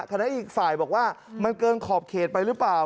ขณะอีกฝ่ายบอกว่ามันเกินขอบเขตไปหรือเปล่า